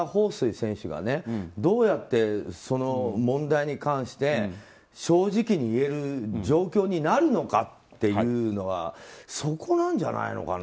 選手はどうやってその問題に関して正直に言える状況になるのかっていうのはそこなんじゃないのかな。